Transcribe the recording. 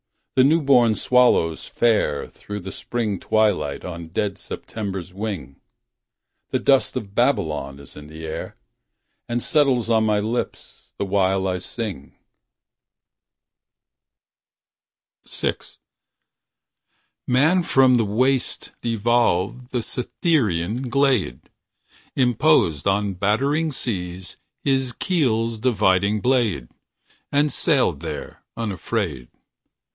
The new born swallows fare Through the Spring twilight on dead September's wing. The dust of Babylon is in the air. And settles on my lips the while I sing. VI. Man from the waste evolved Man from the waste evolved The Cytherean glade. Imposed on battering seas His keel's dividing blade. And sailed there, unafraid.